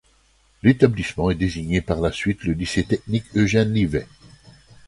L'établissement est désigné par la suite le lycée technique Eugène-Livet.